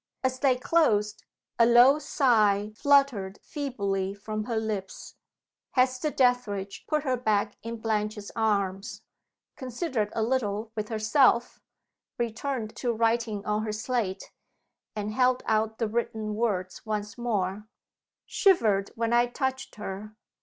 As they closed, a low sigh fluttered feebly from her lips. Hester Dethridge put her back in Blanche's arms considered a little with herself returned to writing on her slate and held out the written words once more: "Shivered when I touched her.